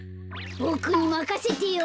ボクにまかせてよ。